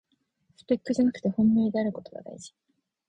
スペックじゃなくて本命であることがだいじ